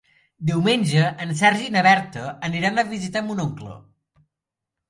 Diumenge en Sergi i na Berta aniran a visitar mon oncle.